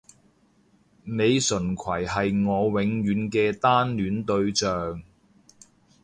李純揆係我永遠嘅單戀對象